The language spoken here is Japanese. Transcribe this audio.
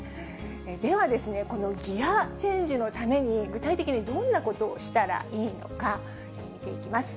ではですね、このギアチェンジのために、具体的にどんなことをしたらいいのか見ていきます。